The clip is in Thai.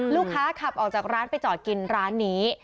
ลูกค้าขับออกจากร้านไปจอดกินร้านนี้